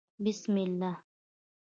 _بسم الله.